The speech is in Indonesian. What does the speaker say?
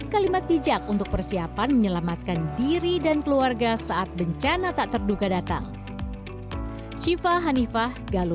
kalimat bijak untuk persiapan menyelamatkan diri dan keluarga saat bencana tak terduga datang